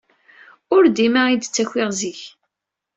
Ur dima ay d-ttakiɣ zik.